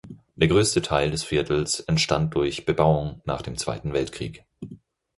Der größte Teil des Viertels entstand durch Bebauung nach dem Zweiten Weltkrieg.